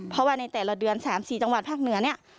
เพราะว่าในแต่ละเดือน๓๔จังหวัดภาคเหนือเนี่ย